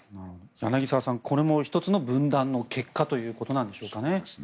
柳澤さんこれも１つの分断の結果ということなんでしょうかね。